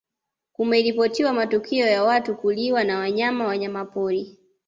kumeripotiwa matukio ya watu kuuliwa na wanyama wanyamapori